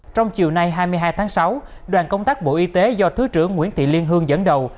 trong chiều nay hai mươi hai tháng sáu đoàn công tác bộ y tế do thứ trưởng nguyễn thị liên hương dẫn đầu